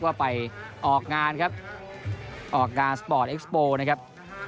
ว่าไปออกงานครับออกงานสปอร์ตเอ็กซ์โปร์นะครับ